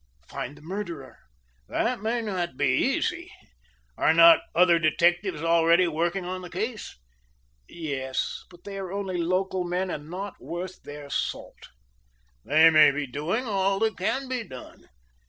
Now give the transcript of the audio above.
"Find the murderer." "That may not be easy. Are not other detectives already working on the case?" "Yes, but they are only local men and not worth their salt." "They may be doing all that can be done.